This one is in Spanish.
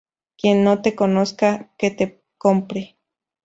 Quien no te conozca, que te compre